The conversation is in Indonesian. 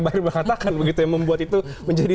barir berkatakan yang membuat itu menjadi